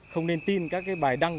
không nên tin các bài đăng